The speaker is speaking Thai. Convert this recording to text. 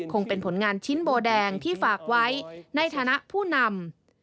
คงเป็นผลงานชิ้นโบแดงที่ฝากไว้ในฐานะผู้นำ